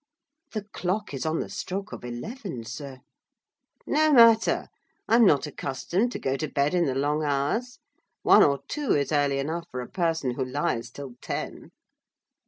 "The clock is on the stroke of eleven, sir." "No matter—I'm not accustomed to go to bed in the long hours. One or two is early enough for a person who lies till ten."